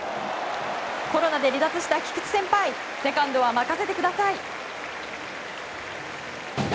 コロナで離脱した菊池先輩セカンドは任せてください！